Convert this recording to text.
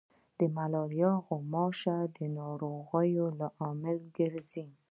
د ملاریا غوماشي د ناروغیو لامل ګرځي.